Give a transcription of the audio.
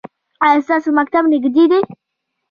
ایا ستاسو مکتب نږدې دی؟